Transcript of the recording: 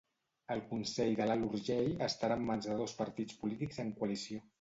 El Consell de l'Alt Urgell estarà en mans de dos partits polítics en coalició.